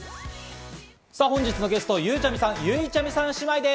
本日のゲスト、ゆうちゃみさん、ゆいちゃみさん姉妹です。